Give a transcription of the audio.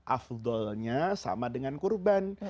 afdolnya sama dengan kurban